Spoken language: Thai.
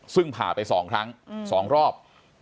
ซึ่งผ่าไป๒ครั้ง๒รอบ